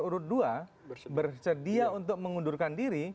urut dua bersedia untuk mengundurkan diri